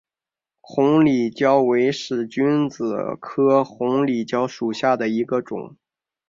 红里蕉为使君子科红里蕉属下的一个种。